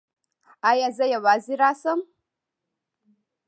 ایا زه یوازې راشم؟